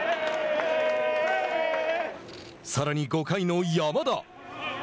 さらに５回の山田。